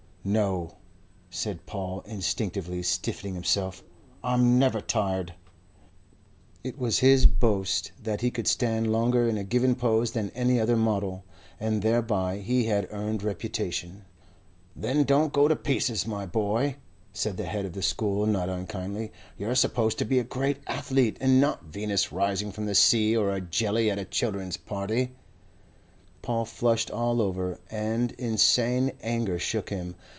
"No," said Paul, instinctively stiffening himself. "I'm never tired." It was his boast that he could stand longer in a given pose than any other model, and thereby he had earned reputation. "Then don't go to pieces, my boy," said the head of the school, not unkindly. "You're supposed to be a Greek athlete and not Venus rising from the sea or a jelly at a children's party." Paul flushed all over, and insane anger shook him.